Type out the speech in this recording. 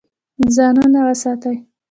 ځانونه وساتئ.